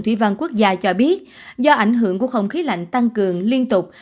thủy văn quốc gia cho biết do ảnh hưởng của không khí lạnh tăng cường liên tục